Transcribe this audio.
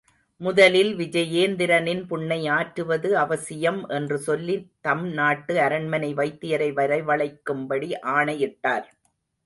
முதலில் விஜயேந்திரனின் புண்ணை ஆற்றுவது அவசியம், என்று சொல்லி, தம் நாட்டு அரண்மனை வைத்தியரை வரவழைக்கும் படி ஆணையிட்டார்.